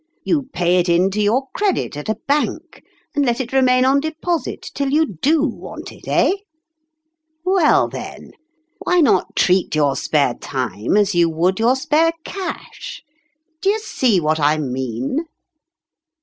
You pay it in to your credit at a bank, and let it remain on deposit till you do want it eh ? Well, then, why not treat your spare time as you would your spare cash. Do you see what I mean